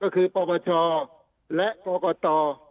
ก็คือปบชและรต